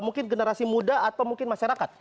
mungkin generasi muda atau mungkin masyarakat